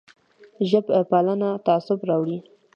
ژب پالنه تعصب راوړي